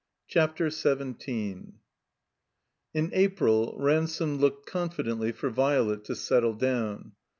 CHAPTER XVII ri April Ransome looked confidently for Violet to "settle down."